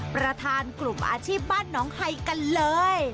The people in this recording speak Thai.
ประธานกลุ่มอาชีพบ้านน้องไฮกันเลย